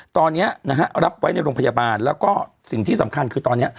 ตอนนี้นะฮะรับไว้ในโรงพยาบาลแล้วก็สิ่งที่สำคัญคือตอนนี้